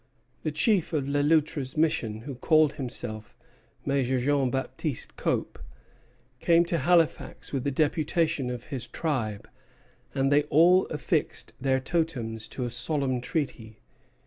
The chief of Le Loutre's mission, who called himself Major Jean Baptiste Cope, came to Halifax with a deputation of his tribe, and they all affixed their totems to a solemn treaty.